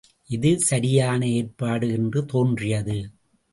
இது சரியான ஏற்பாடு என்று தோன்றியது.